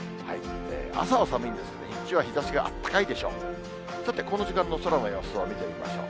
朝は寒いんですけど、日中は日ざしがあったかいでしょう。